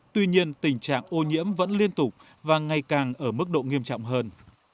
tuy nhiên tình trạng ô nhiễm vẫn liên tục và ngày càng ở mức độ nghiêm trọng hơn